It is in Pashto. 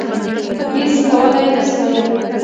هیڅ کولای نه سوای.